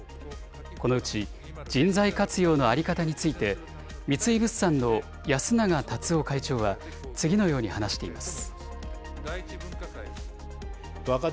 このうち、人材活用の在り方について、三井物産の安永竜夫会長は、次のように話しています。